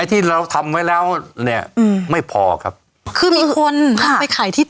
ที่เราทำไว้แล้วเนี่ยอืมไม่พอครับคือมีคนพาไปขายที่